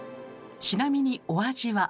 ちなみにお味は？